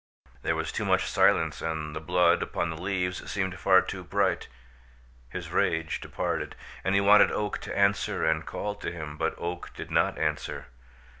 There was too much silence and the blood upon the leaves seemed far too bright. His rage departed, and he wanted Oak to answer and called to him, but Oak did not answer.